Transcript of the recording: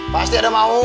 pasti ada mau